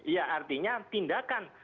ya artinya tindakan